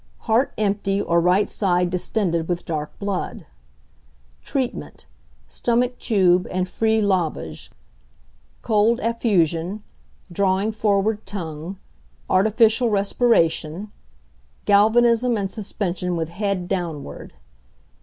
Heart empty, or right side distended with dark blood. Treatment. Stomach tube and free lavage; cold affusion; drawing forward tongue; artificial respiration; galvanism and suspension with head downward.